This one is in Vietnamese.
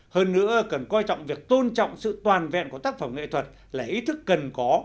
hơn nữa cần coi trọng việc tôn trọng sự toàn vẹn của tác phẩm nghệ thuật là ý thức cần có